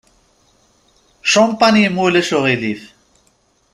Champagne, ma ulac aɣilif.